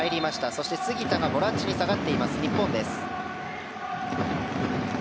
そして杉田がボランチに下がっている日本です。